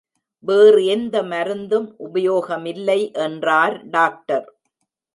வேறு எந்த மருந்தும் உபயோகமில்லை என்றார் டாக்டர்.